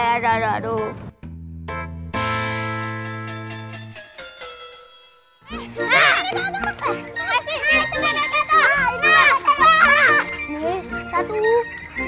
aduh aduh aduh